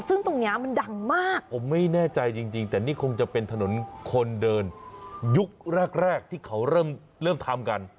ซึ่งตรงเนี้ยมันดังมากผมไม่แน่ใจจริงแต่นี่คงจะเป็นถนนคนเดินยุคแรกแรกที่เขาเริ่มทำกัน